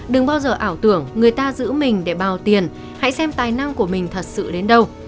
đừng bao giờ ảo tưởng người ta giữ mình để bào tiền hãy xem tài năng của mình thật sự đến đâu